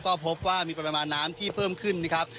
ก็พบว่ามีปริมาณน้ำที่เพิ่มขึ้นนะครับ